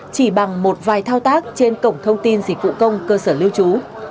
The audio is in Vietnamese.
chỉ bằng một vài thao tác trên cổng thông tin dịch vụ công cơ sở lưu trú